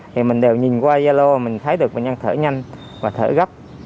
thì mình đều nhìn qua gia lô mình thấy được bệnh nhân thở nhanh và thở gấp